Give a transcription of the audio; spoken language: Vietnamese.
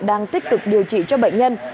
đang tiếp tục điều trị cho bệnh nhân